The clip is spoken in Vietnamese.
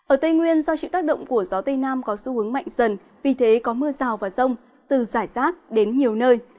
ở tây nguyên do chịu tác động của gió tây nam có xu hướng mạnh dần vì thế có mưa rào và rông từ giải rác đến nhiều nơi